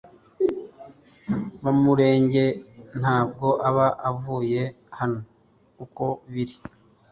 Bamurange ntabwo aba avuye hano uko biri